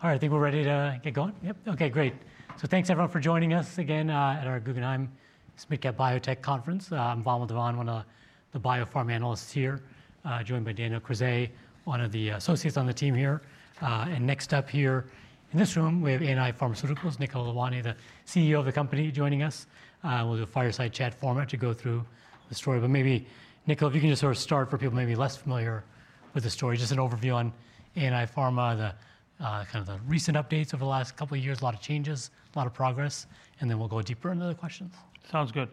All right, I think we're ready to get going. Yep. Okay, great. So thanks, everyone, for joining us again at our Guggenheim Securities Biotech Conference. I'm Vamil Divan, one of the biopharma analysts here, joined by Daniel Krizay, one of the associates on the team here. And next up here in this room, we have ANI Pharmaceuticals, Nikhil Lalwani, the CEO of the company, joining us. We'll do a fireside chat format to go through the story. But maybe, Nikhil, if you can just sort of start for people maybe less familiar with the story, just an overview on ANI Pharma, the kind of the recent updates over the last couple of years, a lot of changes, a lot of progress, and then we'll go deeper into the questions. Sounds good.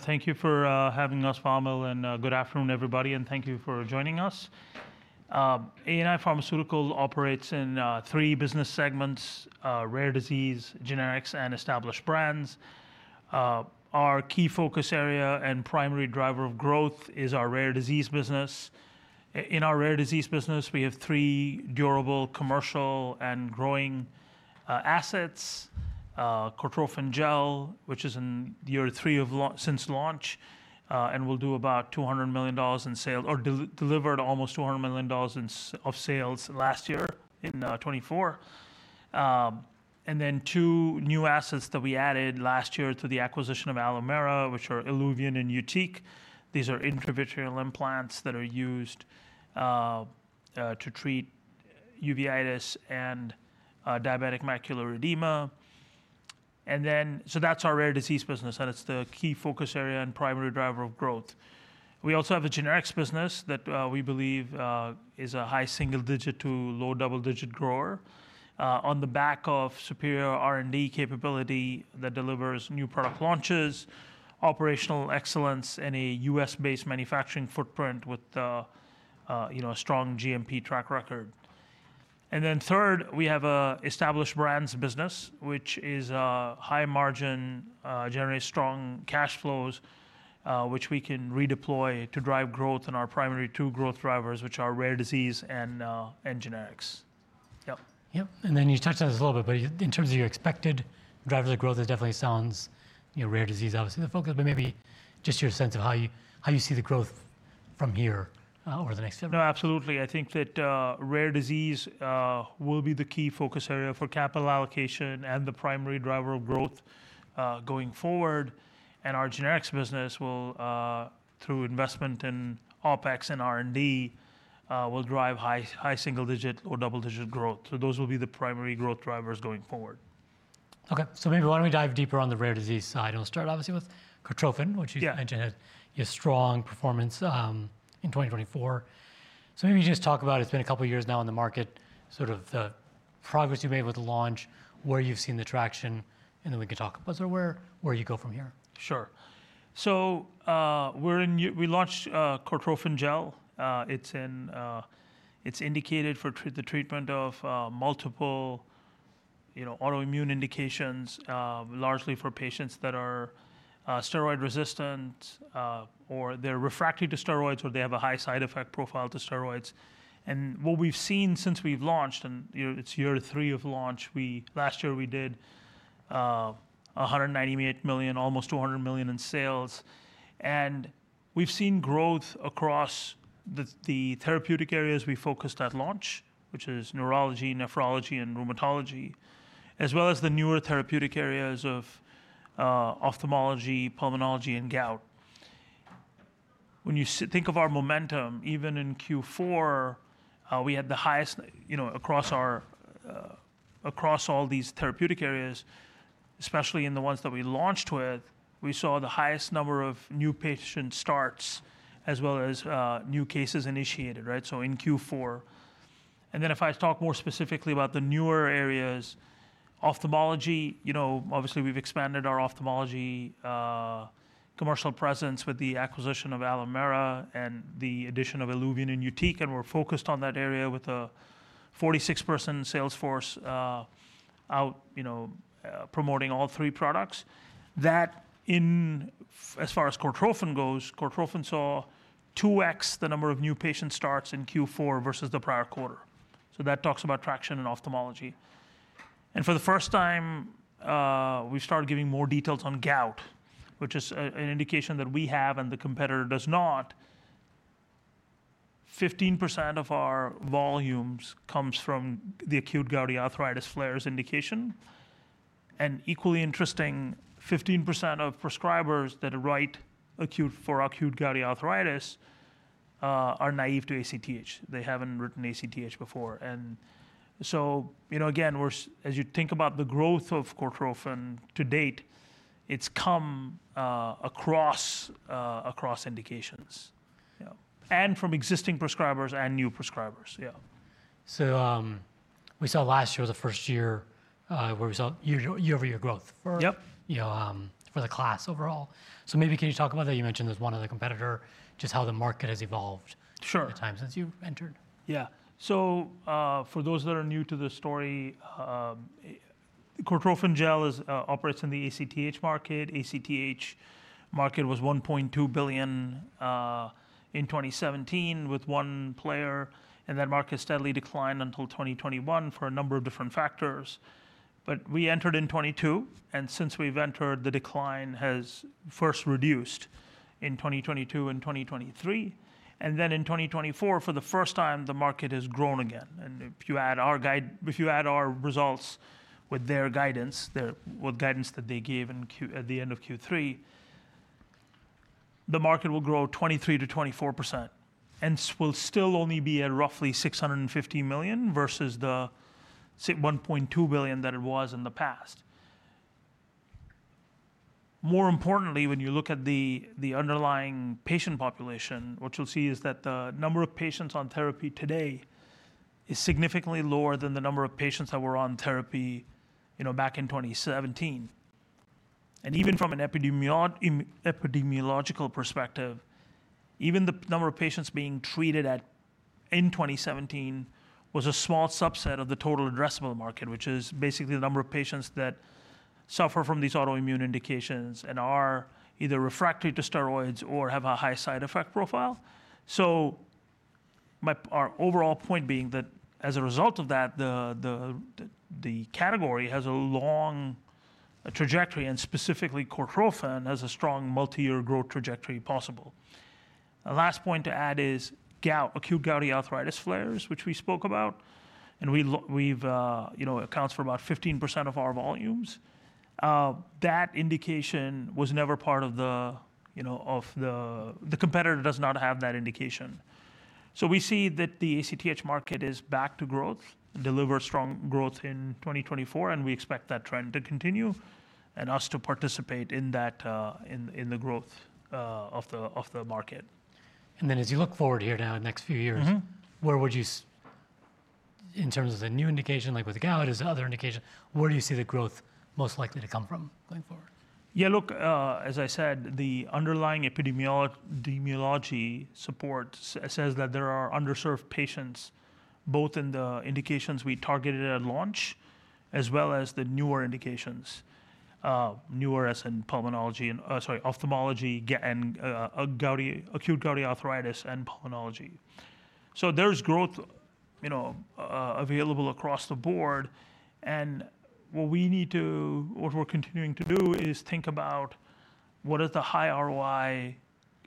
Thank you for having us, Vamil, and good afternoon, everybody, and thank you for joining us. ANI Pharmaceuticals operates in three business segments: Rare Disease, Generics, and Established Brands. Our key focus area and primary driver of growth is our Rare Disease business. In our Rare Disease business, we have three durable, commercial, and growing assets: Cortrophin Gel, which is in year three since launch, and we'll do about $200 million in sales, or delivered almost $200 million of sales last year in 2024, and then two new assets that we added last year through the acquisition of Alimera, which are ILUVIEN and YUTIQ. These are intravitreal implants that are used to treat uveitis and diabetic macular edema, and then so that's our Rare Disease business, and it's the key focus area and primary driver of growth. We also have a Generics business that we believe is a high single-digit to low double-digit grower, on the back of superior R&D capability that delivers new product launches, operational excellence, and a U.S.-based manufacturing footprint with a strong GMP track record. And then third, we have an Established Brands business, which is high margin, generates strong cash flows, which we can redeploy to drive growth in our primary two growth drivers, which are Rare Disease and Generics. Yep. Yep. And then you touched on this a little bit, but in terms of your expected drivers of growth, it definitely sounds Rare Disease, obviously, the focus, but maybe just your sense of how you see the growth from here over the next year. No, absolutely. I think that Rare Disease will be the key focus area for capital allocation and the primary driver of growth going forward. And our Generics business, through investment in OpEx and R&D, will drive high single-digit, low double-digit growth. So those will be the primary growth drivers going forward. Okay, so maybe why don't we dive deeper on the Rare Disease side, and we'll start, obviously, with Cortrophin, which you mentioned had a strong performance in 2024, so maybe you just talk about, it's been a couple of years now in the market, sort of the progress you made with the launch, where you've seen the traction, and then we can talk about sort of where you go from here. Sure. So we launched Cortrophin Gel. It's indicated for the treatment of multiple autoimmune indications, largely for patients that are steroid resistant or they're refractory to steroids or they have a high side effect profile to steroids. And what we've seen since we've launched, and it's year three of launch, last year we did $198 million, almost $200 million in sales. And we've seen growth across the therapeutic areas we focused at launch, which is neurology, nephrology, and rheumatology, as well as the newer therapeutic areas of ophthalmology, pulmonology, and gout. When you think of our momentum, even in Q4, we had the highest across all these therapeutic areas, especially in the ones that we launched with, we saw the highest number of new patient starts as well as new cases initiated, right? So in Q4. And then if I talk more specifically about the newer areas, ophthalmology, obviously we've expanded our ophthalmology commercial presence with the acquisition of Alimera and the addition of ILUVIEN and YUTIQ, and we're focused on that area with a 46-person sales force out promoting all three products. That, in, as far as Cortrophin goes, Cortrophin saw 2x the number of new patient starts in Q4 versus the prior quarter. So that talks about traction in ophthalmology. And for the first time, we started giving more details on gout, which is an indication that we have and the competitor does not. 15% of our volumes comes from the acute gouty arthritis flares indication. And equally interesting, 15% of prescribers that write for acute gouty arthritis are naïve to ACTH. They haven't written ACTH before. And so again, as you think about the growth of Cortrophin to date, it's come across indications and from existing prescribers and new prescribers. Yeah. So we saw last year was the first year where we saw year-over-year growth for the class overall. So maybe can you talk about that? You mentioned there's one other competitor, just how the market has evolved in the time since you entered. Yeah. So for those that are new to the story, Cortrophin Gel operates in the ACTH market. The ACTH market was $1.2 billion in 2017 with one player, and that market steadily declined until 2021 for a number of different factors, but we entered in 2022, and since we've entered, the decline has first reduced in 2022 and 2023. Then in 2024, for the first time, the market has grown again. If you add our results with their guidance, what guidance that they gave at the end of Q3, the market will grow 23%-24%, and will still only be at roughly $650 million versus the $1.2 billion that it was in the past. More importantly, when you look at the underlying patient population, what you'll see is that the number of patients on therapy today is significantly lower than the number of patients that were on therapy back in 2017, and even from an epidemiological perspective, even the number of patients being treated in 2017 was a small subset of the total addressable market, which is basically the number of patients that suffer from these autoimmune indications and are either refractory to steroids or have a high side effect profile, so our overall point being that as a result of that, the category has a long trajectory, and specifically Cortrophin has a strong multi-year growth trajectory possible. Last point to add is acute gouty arthritis flares, which we spoke about, and it accounts for about 15% of our volumes. That indication was never part of the competitor does not have that indication. So, we see that the ACTH market is back to growth, delivered strong growth in 2024, and we expect that trend to continue and us to participate in the growth of the market. And then as you look forward here now in the next few years, where would you, in terms of the new indication, like with gout, is the other indication, where do you see the growth most likely to come from going forward? Yeah, look, as I said, the underlying epidemiology support says that there are underserved patients both in the indications we targeted at launch as well as the newer indications, newer as in pulmonology, sorry, ophthalmology, acute gouty arthritis, and pulmonology, so there's growth available across the board. What we need to, what we're continuing to do is think about what are the high ROI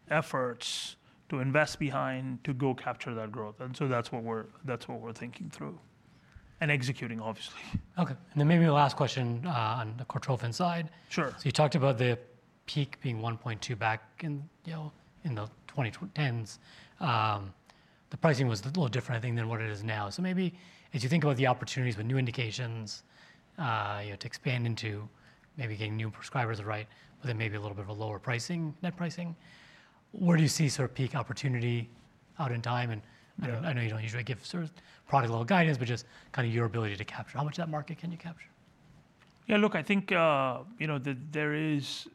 efforts to invest behind to go capture that growth, and so that's what we're thinking through and executing, obviously. Okay. And then maybe the last question on the Cortrophin side. So you talked about the peak being 1.2 back in the 2010s. The pricing was a little different, I think, than what it is now. So maybe as you think about the opportunities with new indications to expand into maybe getting new prescribers right, but then maybe a little bit of a lower pricing, net pricing, where do you see sort of peak opportunity out in time? And I know you don't usually give sort of product-level guidance, but just kind of your ability to capture how much of that market can you capture? Yeah, look, I think there is,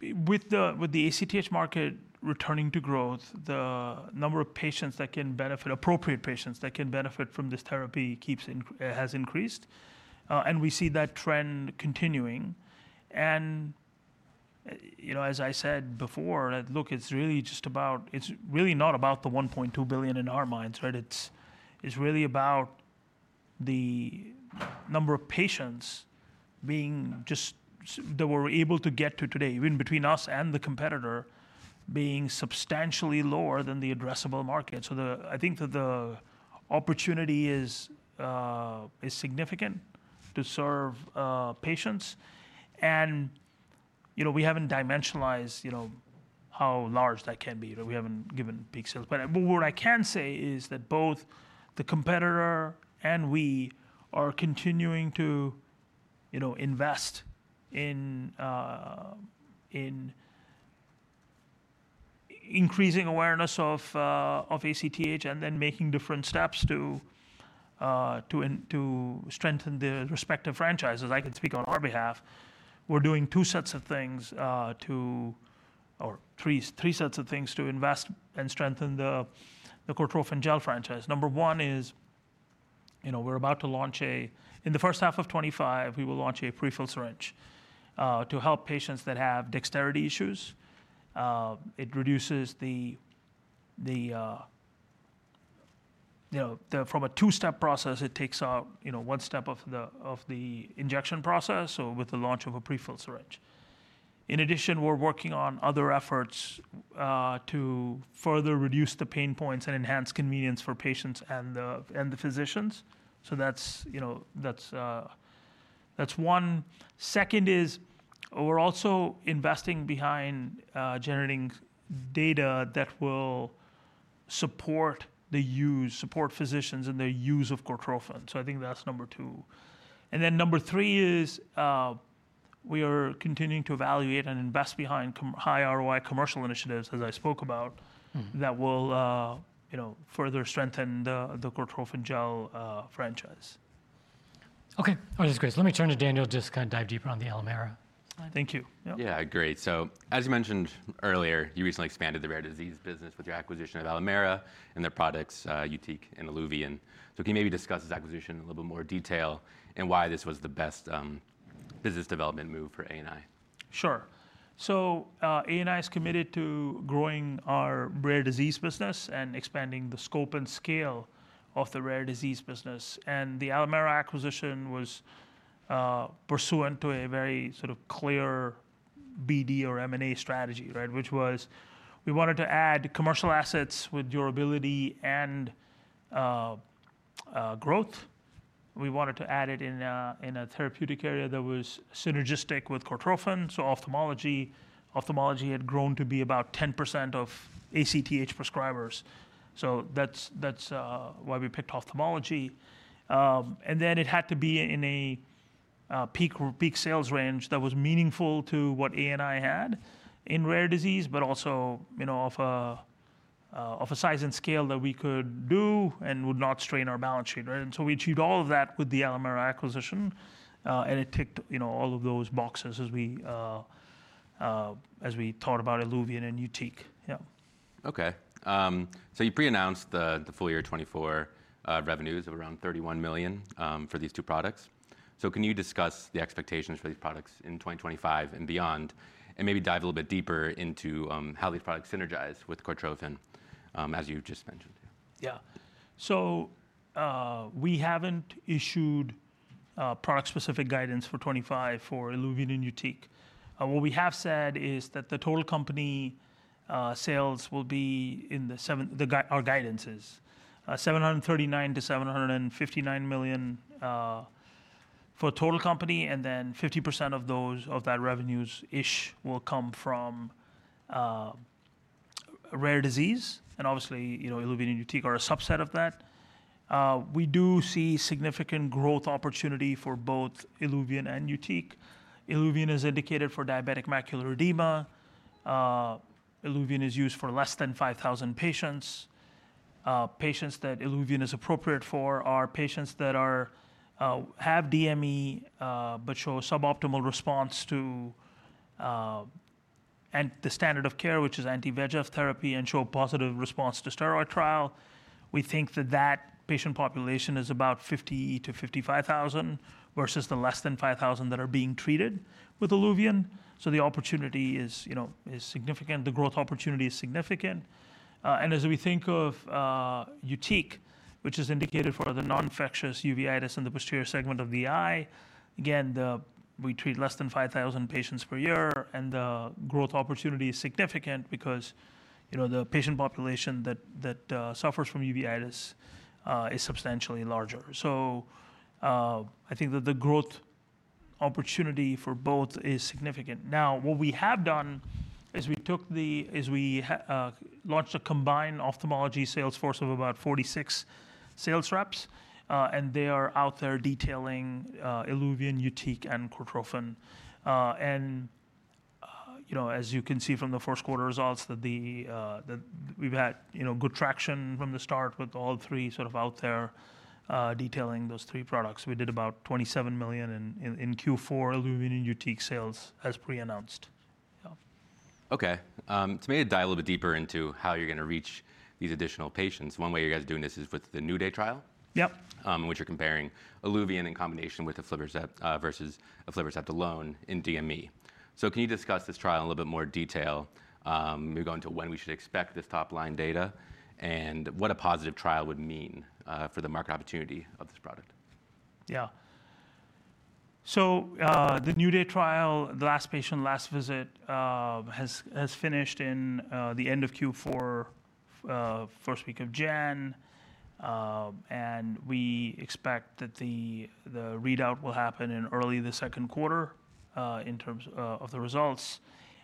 with the ACTH market returning to growth, the number of patients that can benefit, appropriate patients that can benefit from this therapy has increased. And we see that trend continuing. And as I said before, look, it's really just about, it's really not about the $1.2 billion in our minds, right? It's really about the number of patients that we're able to get to today, even between us and the competitor, being substantially lower than the addressable market. So I think that the opportunity is significant to serve patients. And we haven't dimensionalized how large that can be. We haven't given peak sales. But what I can say is that both the competitor and we are continuing to invest in increasing awareness of ACTH and then making different steps to strengthen the respective franchises. I can speak on our behalf. We're doing two sets of things to, or three sets of things to invest and strengthen the Cortrophin Gel franchise. Number one is we're about to launch a, in the first half of 2025, we will launch a pre-filled syringe to help patients that have dexterity issues. It reduces the, from a two-step process, it takes out one step of the injection process, so with the launch of a pre-filled syringe. In addition, we're working on other efforts to further reduce the pain points and enhance convenience for patients and the physicians. So that's one. Second is we're also investing behind generating data that will support the use, support physicians in their use of Cortrophin. So I think that's number two. And then number three is we are continuing to evaluate and invest behind high ROI commercial initiatives, as I spoke about, that will further strengthen the Cortrophin Gel franchise. Okay. That was great. So let me turn to Daniel to just kind of dive deeper on the Alimera. Thank you. Yeah, great. So as you mentioned earlier, you recently expanded the Rare Disease business with your acquisition of Alimera and their products, YUTIQ and ILUVIEN. So can you maybe discuss this acquisition in a little bit more detail and why this was the best business development move for ANI? Sure. So ANI is committed to growing our Rare Disease business and expanding the scope and scale of the Rare Disease business. And the Alimera acquisition was pursuant to a very sort of clear BD or M&A strategy, right, which was we wanted to add commercial assets with durability and growth. We wanted to add it in a therapeutic area that was synergistic with Cortrophin. So ophthalmology, ophthalmology had grown to be about 10% of ACTH prescribers. So that's why we picked ophthalmology. And then it had to be in a peak sales range that was meaningful to what ANI had in Rare Disease, but also of a size and scale that we could do and would not strain our balance sheet. And so we achieved all of that with the Alimera acquisition, and it ticked all of those boxes as we thought about ILUVIEN and YUTIQ. Okay. You pre-announced the full year 2024 revenues of around $31 million for these two products. Can you discuss the expectations for these products in 2025 and beyond, and maybe dive a little bit deeper into how these products synergize with Cortrophin, as you just mentioned? Yeah. So we haven't issued product-specific guidance for 2025 for ILUVIEN and YUTIQ. What we have said is that the total company sales will be in our guidance, $739 million-$759 million for total company, and then 50% of that revenues-ish will come from Rare Disease. And obviously, ILUVIEN and YUTIQ are a subset of that. We do see significant growth opportunity for both ILUVIEN and YUTIQ. ILUVIEN is indicated for diabetic macular edema. ILUVIEN is used for less than 5,000 patients. Patients that ILUVIEN is appropriate for are patients that have DME but show suboptimal response to the standard of care, which is anti-VEGF therapy, and show positive response to steroid trial. We think that that patient population is about 50,000-55,000 versus the less than 5,000 that are being treated with ILUVIEN. So the opportunity is significant. The growth opportunity is significant. And as we think of YUTIQ, which is indicated for the non-infectious uveitis in the posterior segment of the eye, again, we treat less than 5,000 patients per year, and the growth opportunity is significant because the patient population that suffers from uveitis is substantially larger. So I think that the growth opportunity for both is significant. Now, what we have done is we launched a combined ophthalmology sales force of about 46 sales reps, and they are out there detailing ILUVIEN, YUTIQ, and Cortrophin. And as you can see from the first quarter results, that we've had good traction from the start with all three sort of out there detailing those three products. We did about $27 million in Q4 ILUVIEN and YUTIQ sales as pre-announced. Okay. To maybe dive a little bit deeper into how you're going to reach these additional patients, one way you guys are doing this is with the NEW DAY trial, which you're comparing ILUVIEN in combination with aflibercept versus aflibercept alone in DME. So can you discuss this trial in a little bit more detail? Maybe go into when we should expect this top-line data and what a positive trial would mean for the market opportunity of this product? Yeah. So the NEW DAY trial, the last patient last visit has finished in the end of Q4, first week of January. And we expect that the readout will happen in early the second quarter in terms of the results.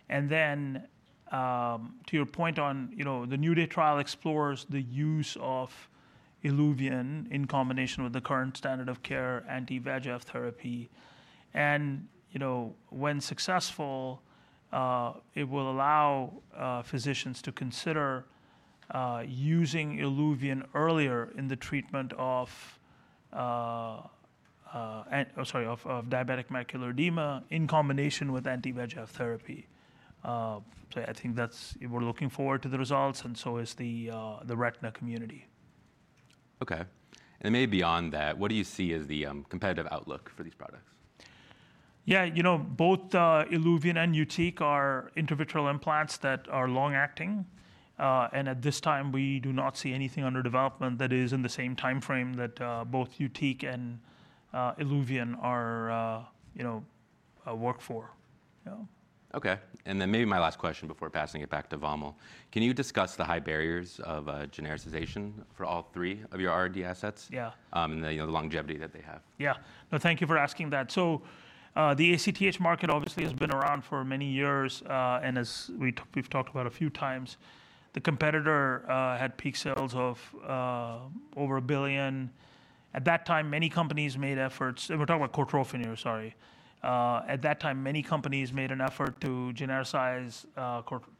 And then to your point on the NEW DAY trial explores the use of ILUVIEN in combination with the current standard of care anti-VEGF therapy. And when successful, it will allow physicians to consider using ILUVIEN earlier in the treatment of diabetic macular edema in combination with anti-VEGF therapy. So I think that's we're looking forward to the results, and so is the retina community. Okay, and maybe beyond that, what do you see as the competitive outlook for these products? Yeah, you know both ILUVIEN and YUTIQ are intravitreal implants that are long-acting. And at this time, we do not see anything under development that is in the same timeframe that both YUTIQ and ILUVIEN work for. Okay. And then maybe my last question before passing it back to Vamil, can you discuss the high barriers of genericization for all three of your R&D assets and the longevity that they have? Yeah. No, thank you for asking that. So the ACTH market obviously has been around for many years. And as we've talked about a few times, the competitor had peak sales of over $1 billion. At that time, many companies made efforts, and we're talking about Cortrophin here, sorry. At that time, many companies made an effort to genericize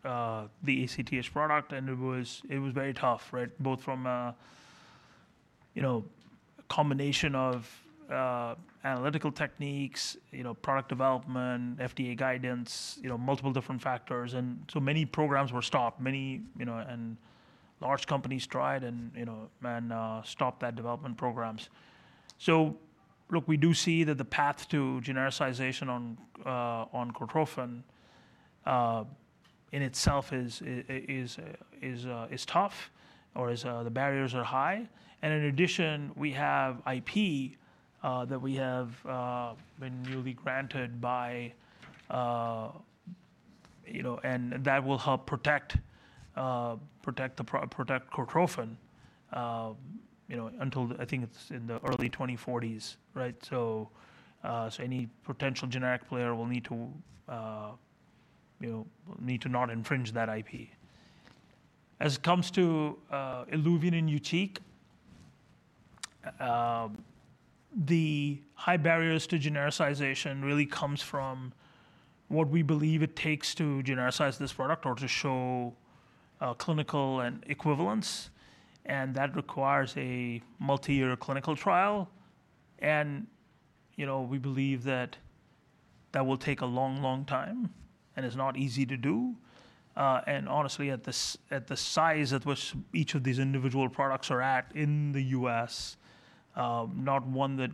the ACTH product, and it was very tough, right? Both from a combination of analytical techniques, product development, FDA guidance, multiple different factors. And so many programs were stopped. And large companies tried and stopped that development programs. So look, we do see that the path to genericization on Cortrophin in itself is tough or the barriers are high. And in addition, we have IP that we have been newly granted by, and that will help protect Cortrophin until, I think it's in the early 2040s, right? So any potential generic player will need to not infringe that IP. As it comes to ILUVIEN and YUTIQ, the high barriers to genericization really come from what we believe it takes to genericize this product or to show clinical equivalence. And that requires a multi-year clinical trial. And we believe that that will take a long, long time and is not easy to do. And honestly, at the size at which each of these individual products are at in the U.S., not one that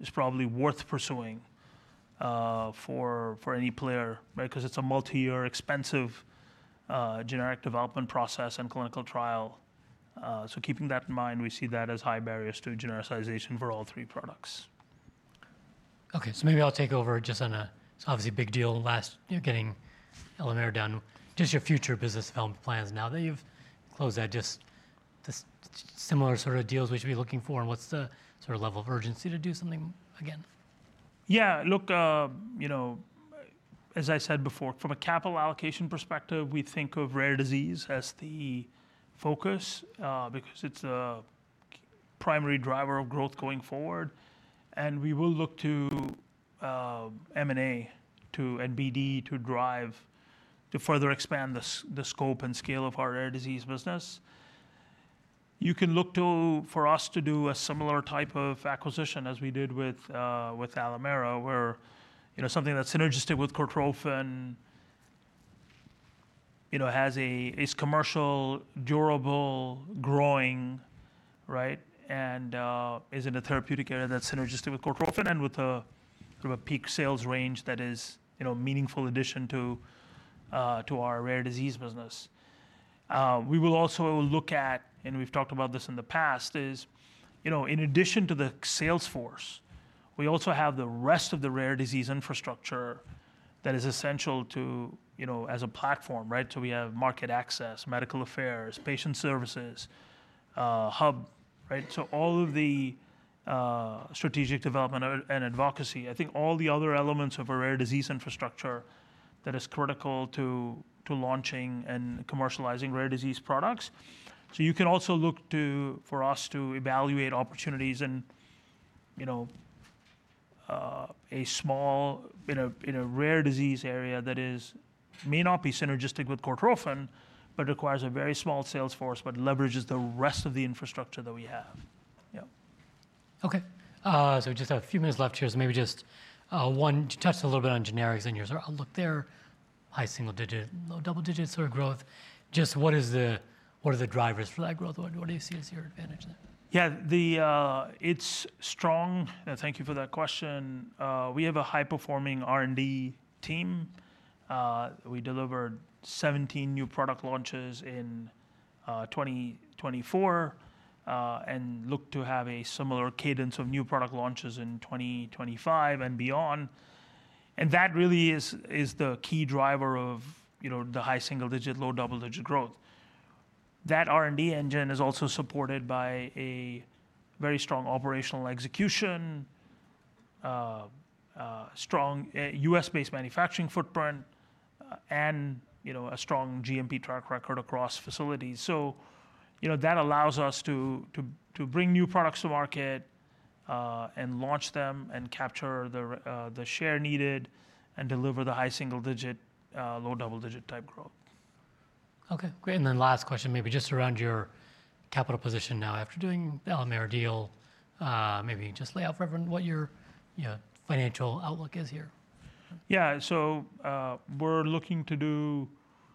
is probably worth pursuing for any player, right? Because it's a multi-year, expensive generic development process and clinical trial. So keeping that in mind, we see that as high barriers to genericization for all three products. Okay. So maybe I'll take over just on that. It's obviously a big deal having gotten Alimera done. Just your future business development plans now that you've closed that, just the similar sort of deals we should be looking for and what's the sort of level of urgency to do something again? Yeah. Look, as I said before, from a capital allocation perspective, we think of Rare Disease as the focus because it's a primary driver of growth going forward. And we will look to M&A and BD to drive to further expand the scope and scale of our Rare Disease business. You can look for us to do a similar type of acquisition as we did with Alimera, where something that's synergistic with Cortrophin has a commercial, durable, growing, right? And is in a therapeutic area that's synergistic with Cortrophin and with a peak sales range that is a meaningful addition to our Rare Disease business. We will also look at, and we've talked about this in the past, is in addition to the sales force, we also have the rest of the Rare Disease infrastructure that is essential to as a platform, right? So we have market access, medical affairs, patient services, hub, right? So all of the strategic development and advocacy, I think all the other elements of a Rare Disease infrastructure that is critical to launching and commercializing Rare Disease products. So you can also look for us to evaluate opportunities in a Rare Disease area that may not be synergistic with Cortrophin, but requires a very small sales force, but leverages the rest of the infrastructure that we have. Okay. So we just have a few minutes left here. So maybe just one, you touched a little bit on Generics in yours. Look, they're high single-digit, low double-digit sort of growth. Just what are the drivers for that growth? What do you see as your advantage there? Yeah, it's strong. Thank you for that question. We have a high-performing R&D team. We delivered 17 new product launches in 2024 and look to have a similar cadence of new product launches in 2025 and beyond. And that really is the key driver of the high single-digit, low double-digit growth. That R&D engine is also supported by a very strong operational execution, strong U.S.-based manufacturing footprint, and a strong GMP track record across facilities. So that allows us to bring new products to market and launch them and capture the share needed and deliver the high single-digit, low double-digit type growth. Okay. Great. And then last question, maybe just around your capital position now after doing the Alimera deal, maybe just lay out for everyone what your financial outlook is here. Yeah. So we're looking to do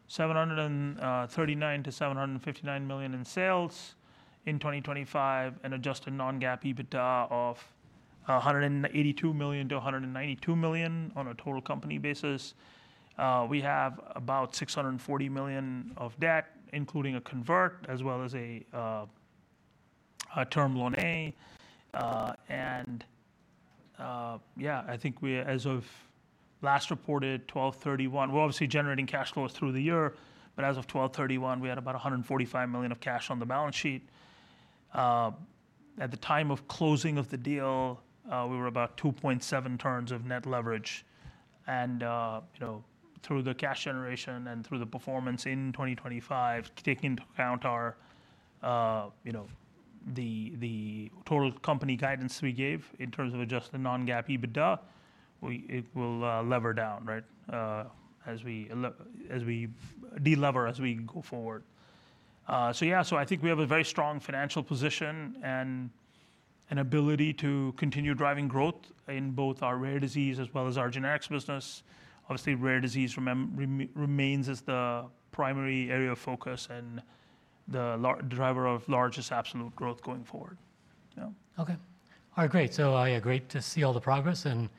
$739 million-$759 million in sales in 2025 and adjusted non-GAAP EBITDA of $182 million-$192 million on a total company basis. We have about $640 million of debt, including a convert as well as a Term Loan A. And yeah, I think as of last reported 12/31, we're obviously generating cash flows through the year, but as of 12/31, we had about $145 million of cash on the balance sheet. At the time of closing of the deal, we were about 2.7 turns of net leverage. And through the cash generation and through the performance in 2025, taking into account the total company guidance we gave in terms of adjusted non-GAAP EBITDA, it will lever down, right, as we delever as we go forward. Yeah, so I think we have a very strong financial position and ability to continue driving growth in both our Rare Disease as well as our Generics business. Obviously, Rare Disease remains as the primary area of focus and the driver of largest absolute growth going forward. Okay. All right. Great. So yeah, great to see all the progress and.